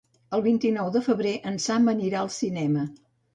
El vint-i-nou de febrer en Sam anirà al cinema.